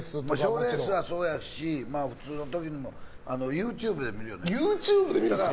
賞レースはそうやし普通の時でもＹｏｕＴｕｂｅで見るよ。